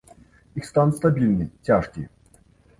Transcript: Іх стан стабільны, цяжкі.